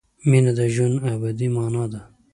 مینه د ژوند ابدي مانا ده.